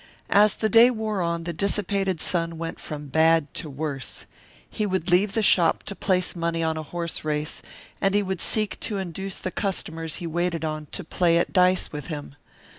As the day wore on, the dissipated son went from bad to worse. He would leave the shop to place money on a horse race, and he would seek to induce the customers he waited on to play at dice with him.